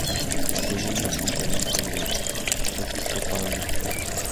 Según la Conferencia del Episcopado Mexicano.